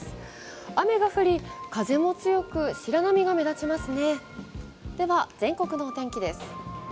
雨が降り、風も強く白波が目立ちますね。